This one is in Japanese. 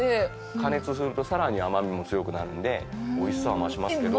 加熱するとさらに甘みも強くなるんでおいしさは増しますけど。